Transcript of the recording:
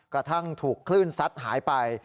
กระทั่งถูกคลื่นซัดหายไป